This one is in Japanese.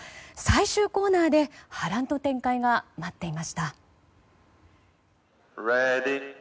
最終コーナーで波乱の展開が待っていました。